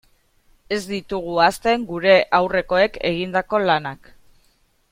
Ez ditugu ahazten gure aurrekoek egindako lanak.